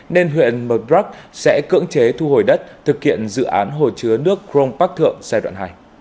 nên huyện mờ rắc sẽ cưỡng chế thu hồi đất thực hiện dự án hồ chứa nước crong park thượng giai đoạn hai